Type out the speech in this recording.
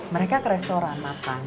mereka ke restoran makan